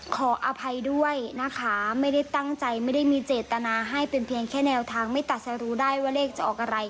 ขออภัยด้วยนะคะไม่ได้ตั้งใจไม่ได้มีเจตนาให้เป็นเพียงแค่แนวทางไม่ตัดสายรู้ได้ว่าเลขจะออกอะไร